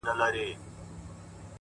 o د کلي سپی یې؛ د کلي خان دی؛